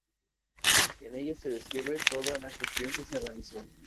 En ella se describe toda la gestión que se realizó.